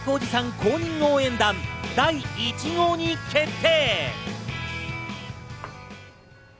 公認応援団第１号に決定。